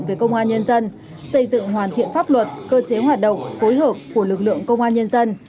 về công an nhân dân xây dựng hoàn thiện pháp luật cơ chế hoạt động phối hợp của lực lượng công an nhân dân